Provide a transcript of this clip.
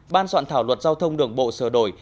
ban soạn thảo luật giao thông đường bộ sửa đổi